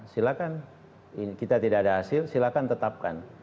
silahkan kita tidak ada hasil silakan tetapkan